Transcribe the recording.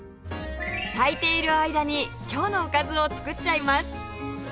炊いている間に今日のおかずを作っちゃいます